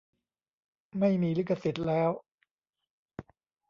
ไม่มีลิขสิทธิ์แล้ว